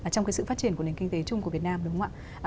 trong cái sự phát triển của nền kinh tế chung của việt nam đúng không ạ